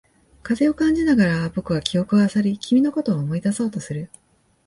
風を感じながら、僕は記憶を漁り、君のことを思い出そうとする。